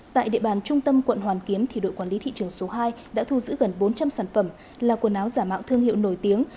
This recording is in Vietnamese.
tại địa bàn trung tâm quận hoàn kiếm đội quản lý thị trường số hai đã thu giữ gần bốn trăm linh sản phẩm là quần áo giả mạo thương hiệu nổi tiếng